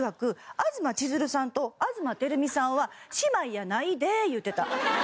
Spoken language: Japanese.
東ちづるさんと東てる美さんは姉妹やないで言うてた。